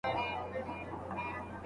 خديجة رضي الله عنها وفات سوه.